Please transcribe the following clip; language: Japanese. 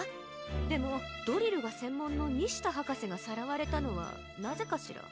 でもドリルがせんもんのニシタはかせがさらわれたのはなぜかしら？